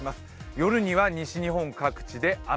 夜には西日本各地で雨。